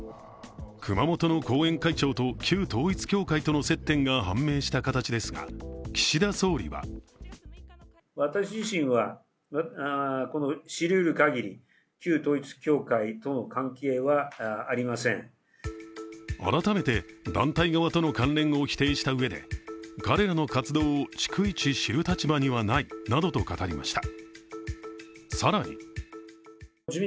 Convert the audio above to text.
熊本の後援会長と、級統一会長との接点が判明した形ですが、岸田総理は改めて団体側との関連を否定したうえで彼らの活動を逐一知る立場にはないなどと語りました